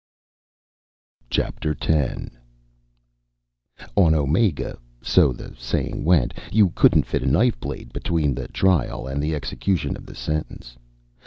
Chapter Ten On Omega, so the saying went, you couldn't fit a knife blade between the trial and the execution of the sentence.